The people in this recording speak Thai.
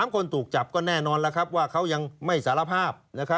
คนถูกจับก็แน่นอนแล้วครับว่าเขายังไม่สารภาพ